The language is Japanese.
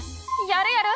やるやる。